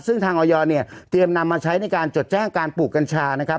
ซึ่งทางออยเนี่ยเตรียมนำมาใช้ในการจดแจ้งการปลูกกัญชานะครับ